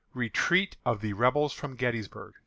RETREAT OF THE REBELS FROM GETTYSBURG.